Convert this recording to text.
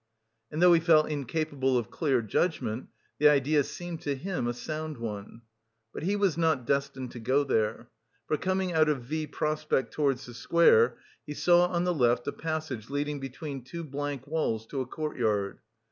And though he felt incapable of clear judgment, the idea seemed to him a sound one. But he was not destined to go there. For coming out of V Prospect towards the square, he saw on the left a passage leading between two blank walls to a courtyard.